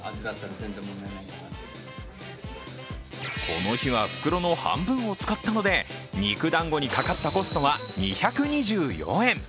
この日は袋の半分を使ったので、肉だんごにかかったコストは２２４円。